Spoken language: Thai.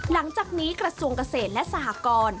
หลังจากนี้กระทรวงเกษตรและสหกร